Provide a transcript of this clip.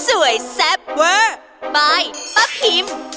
แซ่บเวอร์บายป้าพิม